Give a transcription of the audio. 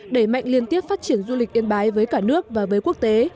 đẩy mạnh liên tiếp phát triển du lịch yên bái với cả nước và với quốc tế